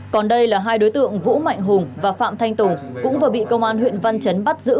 còn đây là hai đối tượng vũ mạnh hùng và phạm thanh tùng cũng vừa bị công an huyện văn chấn bắt giữ